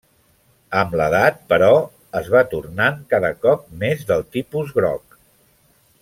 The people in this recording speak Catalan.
Amb l'edat, però, es va tornant cada cop més del tipus groc.